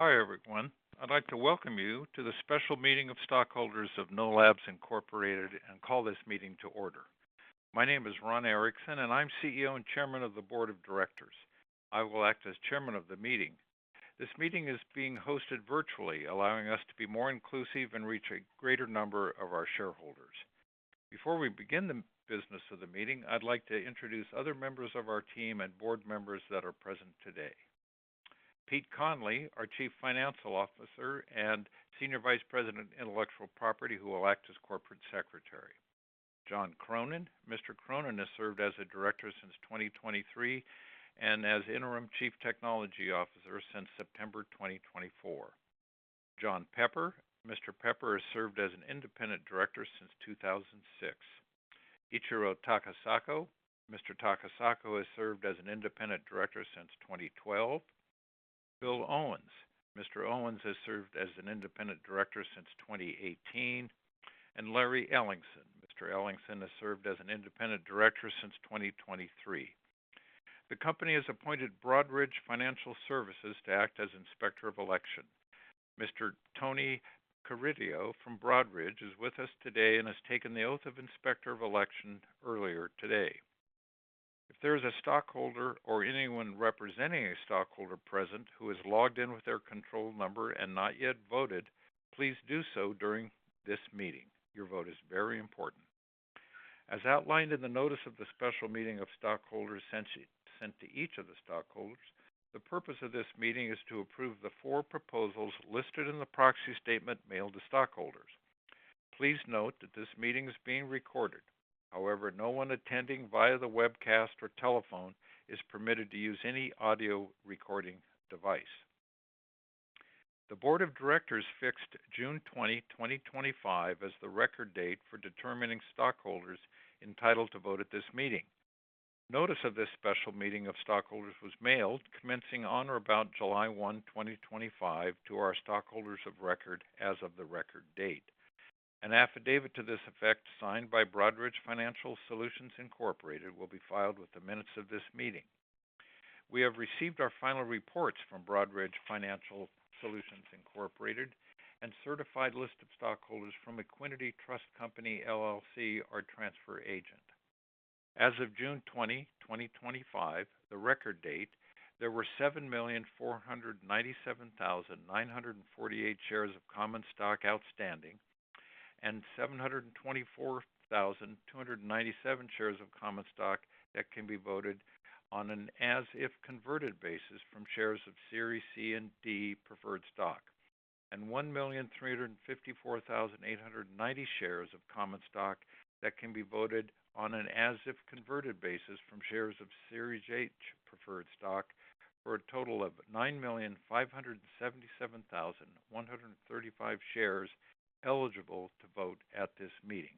Hi everyone. I'd like to welcome you to the special meeting of stockholders of Know Labs Incorporated and call this meeting to order. My name is Ron Erickson, and I'm CEO and Chairman of the Board of Directors. I will act as Chairman of the meeting. This meeting is being hosted virtually, allowing us to be more inclusive and reach a greater number of our shareholders. Before we begin the business of the meeting, I'd like to introduce other members of our team and board members that are present today: Pete Conley, our Chief Financial Officer and Senior Vice President of Intellectual Property, who will act as Corporate Secretary. John Cronin, Mr. Cronin, has served as a Director since 2023 and as Interim Chief Technology Officer since September 2024. John Pepper, Mr. Pepper, has served as an Independent Director since 2006. Ichiro Takasako. Mr. Takasako, has served as an Independent Director since 2012. Bill Owens, Mr. Owens, has served as an Independent Director since 2018. Larry Ellingson, Mr. Ellingson, has served as an Independent Director since 2023. The company has appointed Broadridge Financial Solutions to act as Inspector of Election. Mr. Tony Caridio from Broadridge is with us today and has taken the oath of Inspector of Election earlier today. If there is a stockholder or anyone representing a stockholder present who has logged in with their control number and not yet voted, please do so during this meeting. Your vote is very important. As outlined in the notice of the special meeting of stockholders sent to each of the stockholders, the purpose of this meeting is to approve the four proposals listed in the proxy statement mailed to stockholders. Please note that this meeting is being recorded. However, no one attending via the webcast or telephone is permitted to use any audio recording device. The Board of Directors fixed June 20, 2025, as the record date for determining stockholders entitled to vote at this meeting. Notice of this special meeting of stockholders was mailed commencing on or about July 1, 2025, to our stockholders of record as of the record date. An affidavit to this effect, signed by Broadridge Financial Solutions Incorporated, will be filed with the minutes of this meeting. We have received our final reports from Broadridge Financial Solutions Incorporated and certified list of stockholders from Equiniti Trust Company LLC, our transfer agent. As of June 20, 2025, the record date, there were 7,497,948 shares of common stock outstanding and 724,297 shares of common stock that can be voted on an as-if converted basis from shares of Series C and D preferred stock, and 1,354,890 shares of common stock that can be voted on an as-if converted basis from shares of Series H preferred stock, for a total of 9,577,135 shares eligible to vote at this meeting.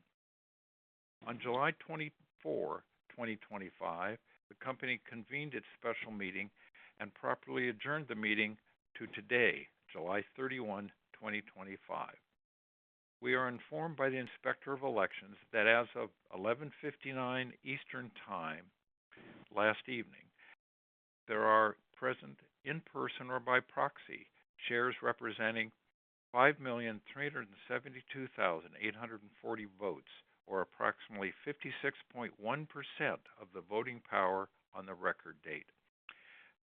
On July 24, 2025, the company convened its special meeting and properly adjourned the meeting to today, July 31, 2025. We are informed by the Inspector of Election that as of 11:59 Eastern Time last evening, there are present in person or by proxy shares representing 5,372,840 votes, or approximately 56.1% of the voting power on the record date.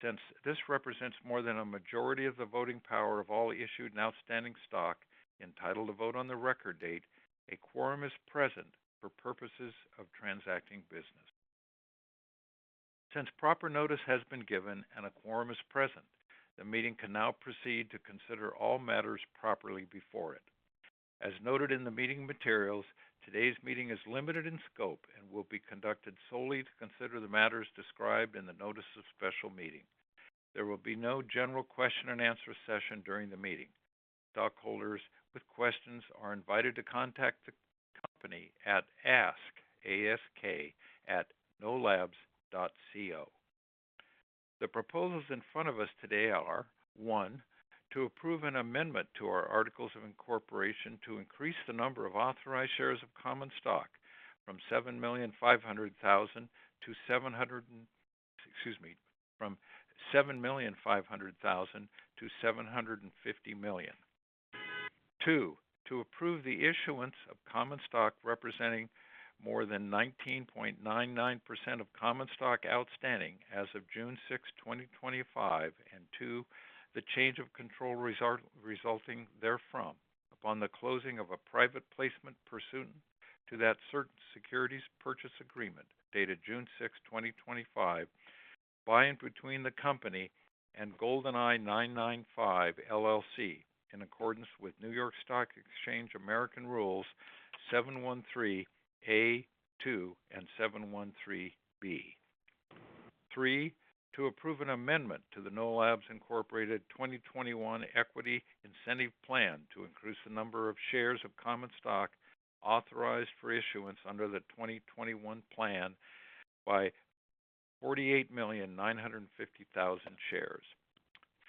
Since this represents more than a majority of the voting power of all issued and outstanding stock entitled to vote on the record date, a quorum is present for purposes of transacting business. Since proper notice has been given and a quorum is present, the meeting can now proceed to consider all matters properly before it. As noted in the meeting materials, today's meeting is limited in scope and will be conducted solely to consider the matters described in the notice of special meeting. There will be no general question and answer session during the meeting. Stockholders with questions are invited to contact the company at ask, ask@knolllabs.co. The proposals in front of us today are: one, to approve an amendment to our articles of incorporation to increase the number of authorized shares of common stock from 7,500,000 to 750 million. Two, to approve the issuance of common stock representing more than 19.99% of common stock outstanding as of June 6, 2025, and two, the change of control resulting therefrom upon the closing of a private placement pursuant to that certain securities purchase agreement dated June 6, 2025, by and between the company and GoldenEye 1995 LLC, in accordance with New York Stock Exchange American Rules 713A2 and 713B. Three, to approve an amendment to the Know Labs Incorporated 2021 Equity Incentive Plan to increase the number of shares of common stock authorized for issuance under the 2021 plan by 48,950,000 shares.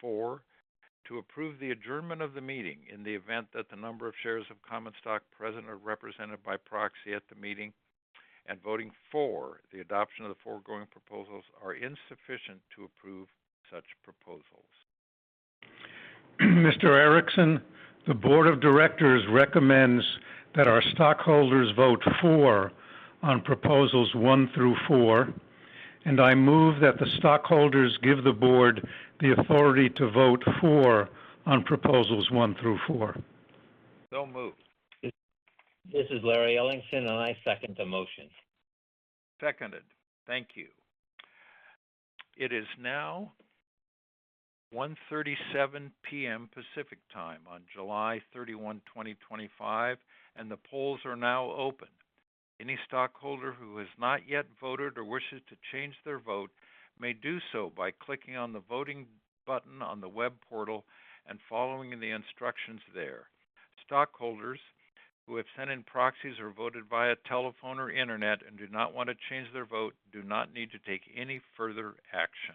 Four, to approve the adjournment of the meeting in the event that the number of shares of common stock present or represented by proxy at the meeting and voting for the adoption of the foregoing proposals are insufficient to approve such proposals. Mr Erickson, the Board of Directors recommends that our stockholders vote for proposals one through four, and I move that the stockholders give the Board the authority to vote for proposals one through four. No move. This is Larry Ellingson, and I second the motion. Seconded. Thank you. It is now 1:37 P.M. Pacific Time on July 31, 2025, and the polls are now open. Any stockholder who has not yet voted or wishes to change their vote may do so by clicking on the voting button on the web portal and following the instructions there. Stockholders who have sent in proxies or voted via telephone or internet and do not want to change their vote do not need to take any further action.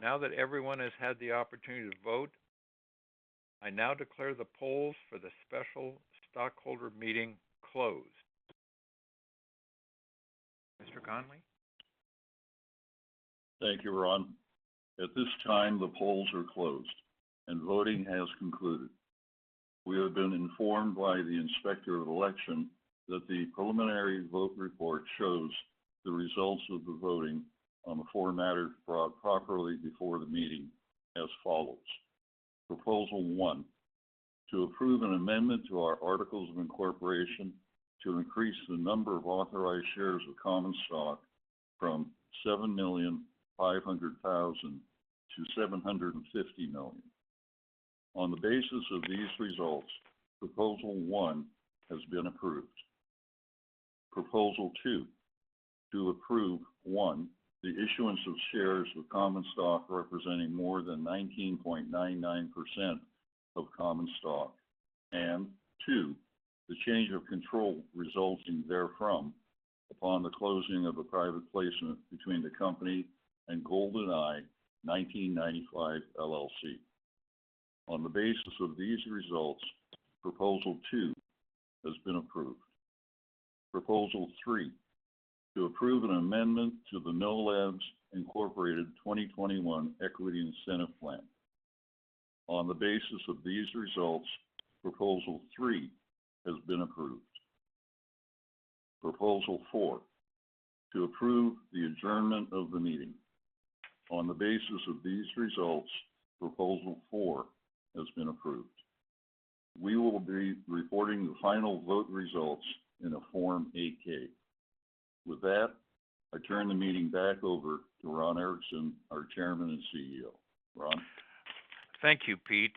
Now that everyone has had the opportunity to vote, I now declare the polls for the special stockholder meeting closed. Mr. Connelly? Thank you, Ron. At this time, the polls are closed and voting has concluded. We have been informed by the Inspector of Election that the preliminary vote report shows the results of the voting on the four matters brought properly before the meeting as follows. Proposal one, to approve an amendment to our articles of incorporation to increase the number of authorized shares of common stock from 7,500,000 to 750 million. On the basis of these results, proposal one has been approved. Proposal two, to approve one, the issuance of shares of common stock representing more than 19.99% of common stock, and two, the change of control resulting therefrom upon the closing of a private placement between the company and GoldenEye 1995 LLC. On the basis of these results, proposal two has been approved. Proposal three, to approve an amendment to the Knoll Labs Incorporated 2021 Equity Incentive Plan. On the basis of these results, proposal three has been approved. Proposal four, to approve the adjournment of the meeting. On the basis of these results, proposal four has been approved. We will be reporting the final vote results in a Form 8-K. With that, I turn the meeting back over to Ron Erickson, our Chairman and CEO. Ron. Thank you, Pete.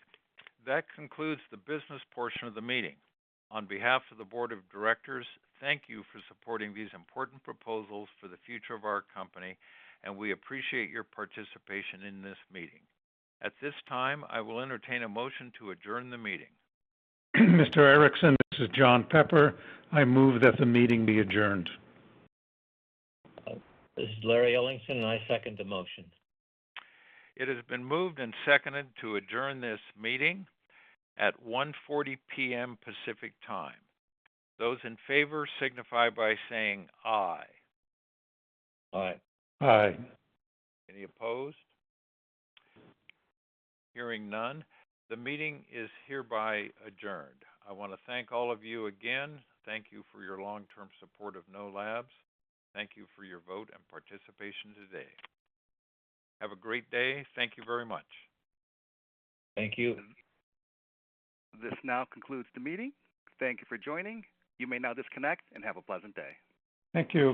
That concludes the business portion of the meeting. On behalf of the Board of Directors, thank you for supporting these important proposals for the future of our company, and we appreciate your participation in this meeting. At this time, I will entertain a motion to adjourn the meeting. Mr. Erickson, this is John Pepper. I move that the meeting be adjourned. This is Larry Ellingson, and I second the motion. It has been moved and seconded to adjourn this meeting at 1:40 P.M. Pacific Time. Those in favor signify by saying aye. Aye. Aye. Any opposed? Hearing none, the meeting is hereby adjourned. I want to thank all of you again. Thank you for your long-term support of Know Labs. Thank you for your vote and participation today. Have a great day. Thank you very much. Thank you. This now concludes the meeting. Thank you for joining. You may now disconnect and have a pleasant day. Thank you.